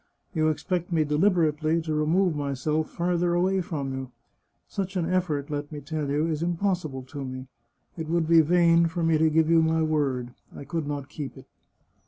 You expect me deliberately to remove myself farther away from you. Such an effort, let me tell you, is impossible to me. It would be vain for me to give you my word. I could not keep it."